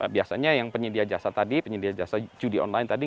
biasanya yang penyedia jasa tadi penyedia jasa judi online tadi